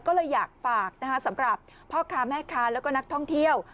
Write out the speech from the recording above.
ก็เลยอยากฝากสำหรับพ่อค้าแม่ค้าแล้วก็นักท่องเที่ยว